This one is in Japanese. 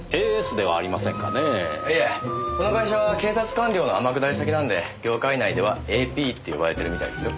いえこの会社は警察官僚の天下り先なんで業界内ではＡＰって呼ばれてるみたいですよ。